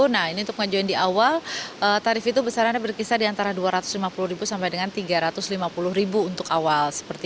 nah ini untuk mengajukan di awal tarif itu besarannya berkisar di antara rp dua ratus lima puluh sampai dengan rp tiga ratus lima puluh untuk awal